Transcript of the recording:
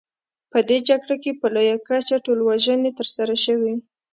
په دې جګړه کې په لویه کچه ټولوژنې ترسره شوې.